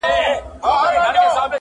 • هر یو مي د زړه په خزانه کي دی منلی -